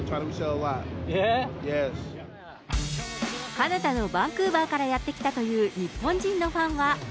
カナダのバンクーバーからやって来たという日本人のファンは。